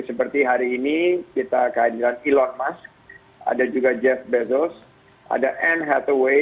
seperti hari ini kita kehadiran elon musk ada juga jeff bezos ada anne hathaway